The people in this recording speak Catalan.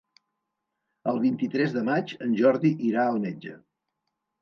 El vint-i-tres de maig en Jordi irà al metge.